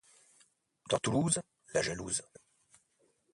Dans Toulouse, La jalouse